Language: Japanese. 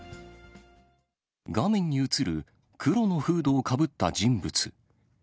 画面に写る黒のフードをかぶった人物。